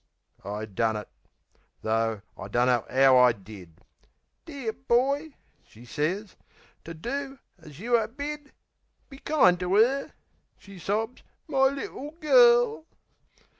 I done it. Tho' I dunno 'ow I did. "Dear boy," she sez, "to do as you are bid. Be kind to 'er," she sobs, "my little girl!"